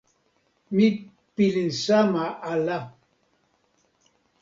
mi pilin sama ala.